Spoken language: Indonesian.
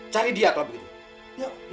cari dia kalau begitu